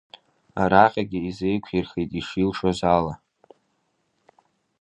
Араҟагьы изеиқәирхеит ишилшоз ала.